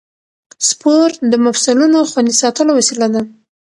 سپورت د مفصلونو خوندي ساتلو وسیله ده.